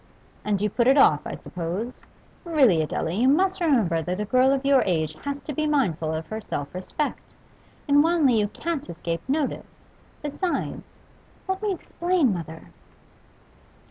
'And you put it off, I suppose? Really, Adela, you must remember that a girl of your age has to be mindful of her self respect. In Wanley you can't escape notice; besides ' 'Let me explain, mother.